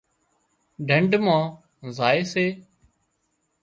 ڍنڍ مان زائي سي